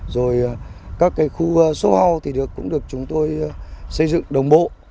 rồi các khu châu âu cũng được chúng tôi xây dựng đồng bộ